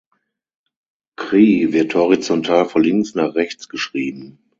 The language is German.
Cree wird horizontal von links nach rechts geschrieben.